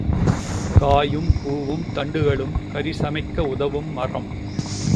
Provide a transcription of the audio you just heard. காயும் பூவும் தண்டுகளும் கறிசமைக்க உதவும் மரம்.